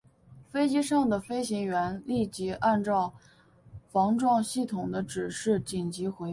两机上的飞行员立即按照防撞系统的指示紧急回避。